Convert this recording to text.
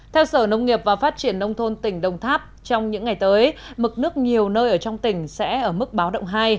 theo sở nông nghiệp và phát triển nông thôn tỉnh đồng tháp trong những ngày tới mực nước nhiều nơi ở trong tỉnh sẽ ở mức báo động hai